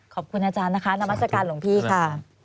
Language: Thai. ขอบคุณอาจารย์นะคะนามัศกาลหลวงพี่ค่ะ